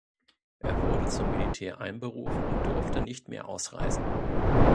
Er wurde zum Militär einberufen und durfte nicht mehr ausreisen.